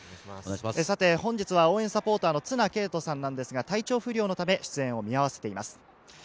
本日は応援サポーターの綱啓永さんが体調不良のため、出演を見合わせています。